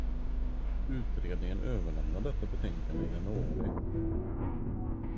Utredningen överlämnar detta betänkande i januari.